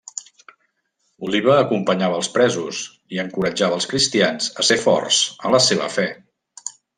Oliva acompanyava als presos i encoratjava als cristians a ser forts en la seva fe.